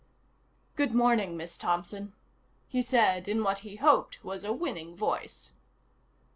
"Good morning, Miss Thompson," he said in what he hoped was a winning voice.